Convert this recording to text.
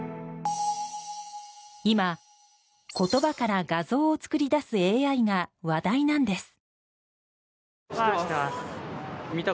今、言葉から画像を作り出すＡＩが話題なんです。